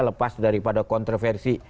lepas daripada kontroversi